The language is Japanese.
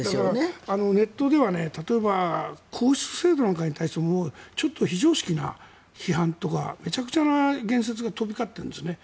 だから、ネットでは例えば皇室制度なんかに対してもちょっと非常識な批判とかめちゃくちゃな言説が飛び交っているんですね。